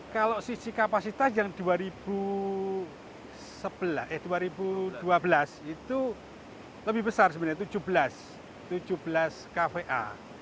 kalau sisi kapasitas yang dua ribu dua belas itu lebih besar sebenarnya tujuh belas kva